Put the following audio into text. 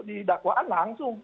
di dakwaan langsung